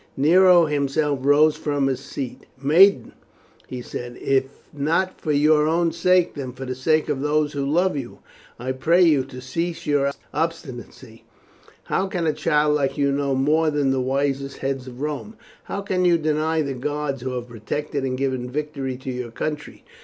Nero himself rose from his seat. "Maiden," he said, "if not for your own sake, for the sake of those who love you, I pray you to cease from your obstinacy. How can a child like you know more than the wisest heads of Rome? How can you deny the gods who have protected and given victory to your country?